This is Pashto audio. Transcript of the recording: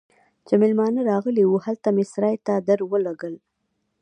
چې مېلمانه راغلي وو، هلته مې سرای ته درولږل.